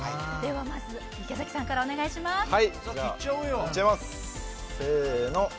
ではまず池崎さんからお願いします。